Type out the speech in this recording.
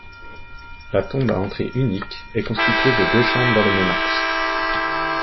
La tombe à entrée unique est constituée de deux chambres dans le même axe.